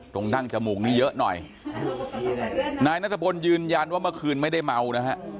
ดั้งจมูกนี้เยอะหน่อยนายนัทพลยืนยันว่าเมื่อคืนไม่ได้เมานะฮะ